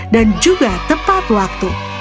dan juga tepat waktu